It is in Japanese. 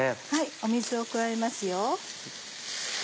水を加えますよ。